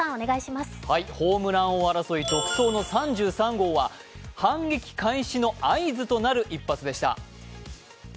ホームラン王争い独走の３３号は反撃開始の合図となる一発でした。